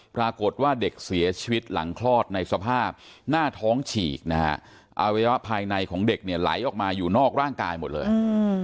ปรากฏว่าเด็กเสียชีวิตหลังคลอดในสภาพหน้าท้องฉีกนะฮะอวัยวะภายในของเด็กเนี่ยไหลออกมาอยู่นอกร่างกายหมดเลย